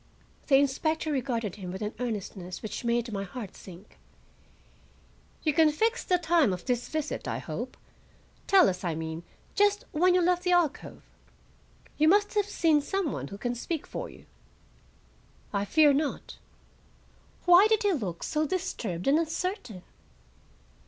The inspector regarded him with an earnestness which made my heart sink. "You can fix the time of this visit, I hope; tell us, I mean, just when you left the alcove. You must have seen some one who can speak for you." "I fear not." Why did he look so disturbed and uncertain?